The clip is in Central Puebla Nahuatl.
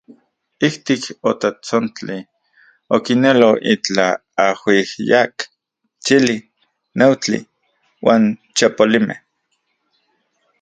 Ijtik otatsontli, okinelo itlaj ajuijyak, chili, neujtli uan chapolimej.